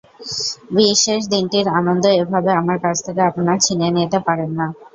বিশেষ দিনটির আনন্দ এভাবে আমার কাছ থেকে আপনারা ছিনিয়ে নিতে পারেন না।